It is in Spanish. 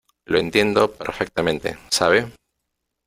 lo entiendo perfectamente .¿ sabe ?